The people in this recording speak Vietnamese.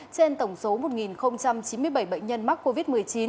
trên tổng số một chín mươi bảy bệnh nhân mắc covid một mươi chín